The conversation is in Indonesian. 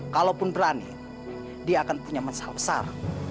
kalaupun berani dia akan punya masalah besar